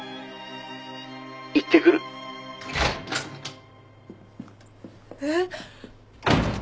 「行ってくる」えっ？